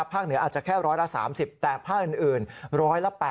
ภาคเหนืออาจจะแค่ร้อยละ๓๐แต่ภาคอื่นร้อยละ๘๐